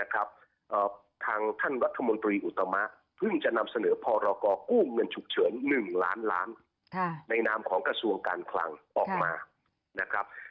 ทางท่านรัฐมนตรีอุตมะเพิ่งจะนำเสนอพรกู้เงินฉุกเฉิน๑ล้านล้านในนามของกระทรวงการคลังออกมานะครับ